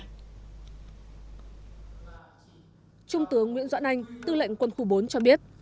trung tướng nguyễn doãn anh tư lệnh quân khu bốn cho biết